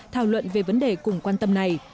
thảo luận về vấn đề cùng quan tâm này